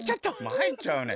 まいっちゃうね。